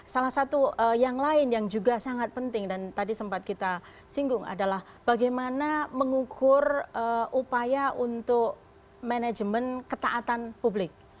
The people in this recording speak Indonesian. salah satu yang lain yang juga sangat penting dan tadi sempat kita singgung adalah bagaimana mengukur upaya untuk manajemen ketaatan publik